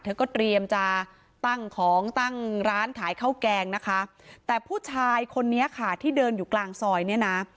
เธอก็เตรียมจะตั้งของตั้งร้านขายข้าวแกงนะคะแต่ผู้ชายคนนี้ค่ะที่เดินอยู่กลางซอยเนี่ยนะ